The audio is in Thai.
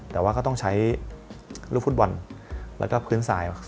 แต่ว่าก็ต้องใช้ลูกฟุตบอลแล้วก็พื้นทราย